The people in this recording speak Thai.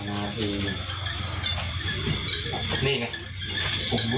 กระดูกหัวนะเนี้ยใช่หรอเออแจกเลย